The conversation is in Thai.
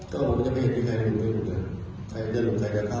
ถ้าไม่เกิดเป็นเวทันท่าน